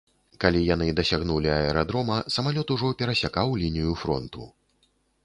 Калі яны дасягнулі аэрадрома, самалёт ужо перасякаў лінію фронту.